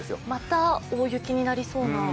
また大雪になりそうな？